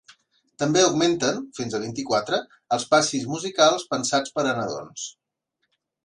També augmenten, fins a vint-i-quatre, els passis musicals pensats per a nadons.